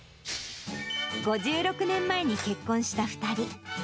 ５６年前に結婚した２人。